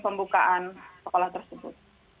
pembukaan sekolah tersebut